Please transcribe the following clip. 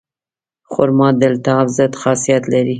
خرما د التهاب ضد خاصیت لري.